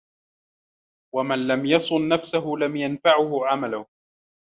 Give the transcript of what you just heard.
وَمَنْ لَمْ يَصُنْ نَفْسَهُ لَمْ يَنْفَعْهُ عَمَلُهُ